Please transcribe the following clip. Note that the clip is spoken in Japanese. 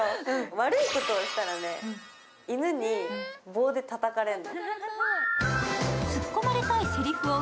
悪いことをしたら、犬にボンッてたたかれる。